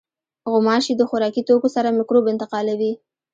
غوماشې د خوراکي توکو سره مکروب انتقالوي.